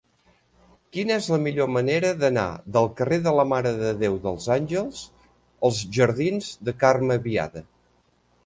Quina és la millor manera d'anar del carrer de la Mare de Déu dels Àngels als jardins de Carme Biada?